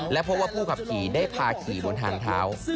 และพบว่าผู้ขับขี่ได้พาขี่บนทางเท้า